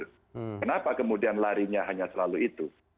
bagaimana nasib rumah sakit yang larinya hanya selalu itu